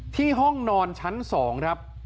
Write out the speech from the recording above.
ห้องนอนชั้น๒ครับ